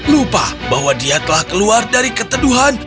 lupa bahwa dia telah keluar dari keteduhan